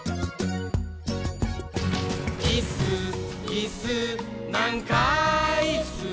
「いっすーいっすーなんかいっすー」